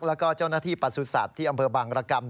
แล้วก็เจ้านาทีประสุดศัพท์ที่อำเภอบางระกำ